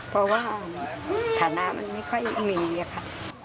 เพราะว่าฐานะมันไม่ค่อยมีอะค่ะ